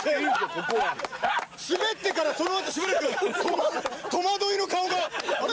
ここは滑ってからそのあと滑るから戸惑いの顔が「あれ？」